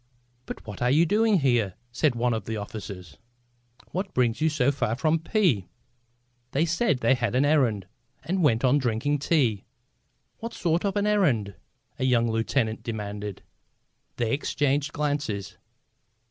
"But what are you doing here?" said one of the officers. "What brings you so far from P " They said they had had an errand, and went on drinking tea. "What sort of an errand?" a young lieutenant demanded. They exchanged glances.